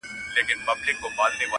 چي پوره یې کړه د خپل سپي ارمانونه.